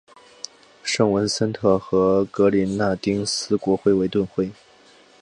圣文森特和格林纳丁斯国徽为盾徽。